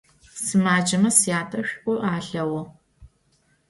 Sımaceme syate ş'u alheğu.